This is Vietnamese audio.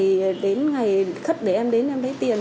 thì đến ngày khất để em đến em lấy tiền